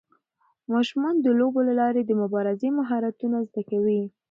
ماشومان د لوبو له لارې د مبارزې مهارتونه زده کوي.